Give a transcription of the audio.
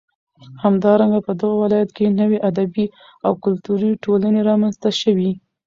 همدارنگه په دغه ولايت كې نوې ادبي او كلتوري ټولنې رامنځ ته شوې.